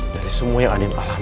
dari semua yang andin alami